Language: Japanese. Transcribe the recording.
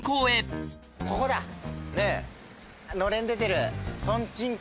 のれん出てる。